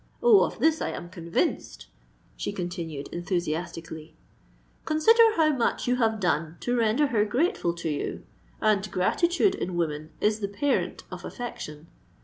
Oh! of this I am convinced," she continued enthusiastically. "Consider how much you have done to render her grateful to you; and gratitude in woman is the parent of affection!